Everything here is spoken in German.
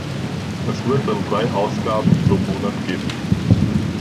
Es wird dann drei Ausgaben pro Monat geben.